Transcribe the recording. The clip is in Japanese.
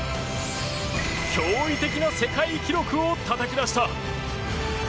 驚異的な世界記録をたたき出した。